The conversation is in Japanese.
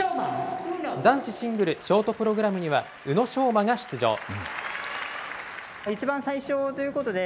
男子シングルショートプログラムには宇野昌磨が出場。